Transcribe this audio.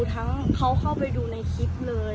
ทั้งเขาเข้าไปดูในคลิปเลย